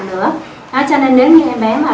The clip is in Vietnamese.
nữa cho nên nếu như em bé mà